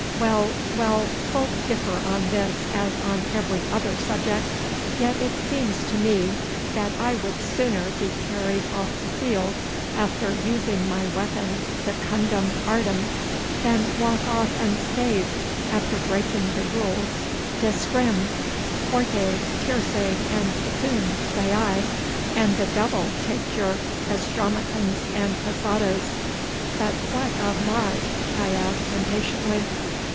Well, well, folk differ on this as on every other subject! Yet it seems to me that I would sooner be carried off the field after using my weapon secundum artem, than walk off unscathed after breaking the laws d'escrime. Quarte, tierce, and saccoon, say I, and the devil take your estramacons and passados!' 'But what of Marot?' I asked impatiently.